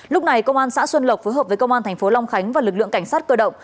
lúc này công an xã xuân lộc phối hợp với công an thành phố long khánh và lực lượng cảnh sát cơ động